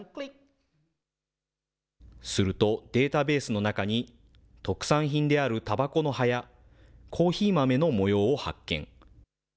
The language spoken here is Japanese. すると、データベースの中に特産品であるたばこの葉やコーヒー豆の模様を発見。